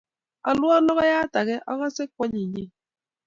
Alwon logoyat ake akose kwanyinyen.